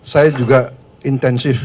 saya juga intensif